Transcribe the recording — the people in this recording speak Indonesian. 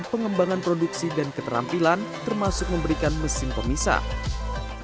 pengembangan produksi dan keterampilan termasuk memberikan mesin pemisah